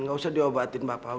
gak usah diobatin bapak